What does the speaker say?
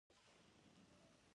د عمرې په احکامو ځان پوی کړې.